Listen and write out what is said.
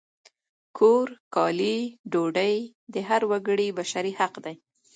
کور، کالي، ډوډۍ د هر وګړي بشري حق دی!